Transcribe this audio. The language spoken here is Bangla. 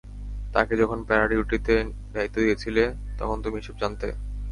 তাকে যখন প্যারা-ডিউটিতে দায়িত্ব দিয়েছিলে তখন তুমি এসব জানতে?